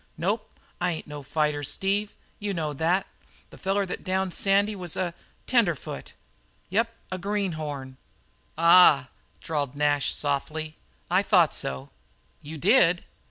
"Nope. I ain't no fighter, Steve. You know that. The feller that downed Sandy was a tenderfoot. Yep, a greenhorn." "Ah h h," drawled Nash softly, "I thought so." "You did?"